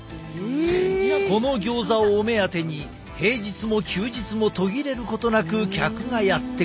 このギョーザをお目当てに平日も休日も途切れることなく客がやって来る。